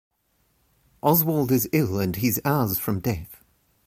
Oswald is ill and he's hours from death.